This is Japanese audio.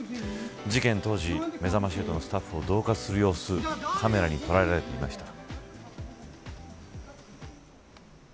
事件当時、めざまし８のスタッフをどう喝する様子カメラに捉えられていました。